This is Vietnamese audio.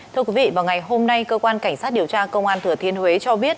thưa quý vị vào ngày hôm nay cơ quan cảnh sát điều tra công an thừa thiên huế cho biết